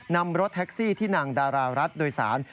นำรถแท็กซี่ที่นางดารารัฐโดยสาร